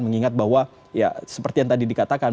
mengingat bahwa ya seperti yang tadi dikatakan